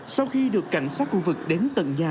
sau khi được cảnh sát khu vực đến tận nhà